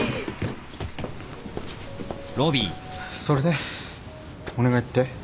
それでお願いって。